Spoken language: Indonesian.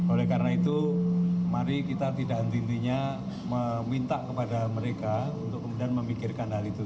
oleh karena itu mari kita tidak henti hentinya meminta kepada mereka untuk kemudian memikirkan hal itu